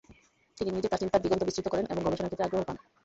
তিনি নিজে তাঁর চিন্তার দিগন্ত বিস্তৃত করেন এবং গবেষণার ক্ষেত্রে আগ্রহ পান।